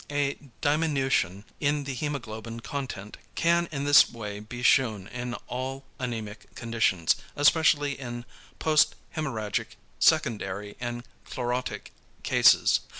A diminution in the hæmoglobin content can in this way be shewn in all anæmic conditions, especially in posthæmorrhagic, secondary and chlorotic cases.